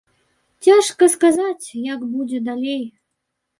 Цяжка сказаць, як будзе далей.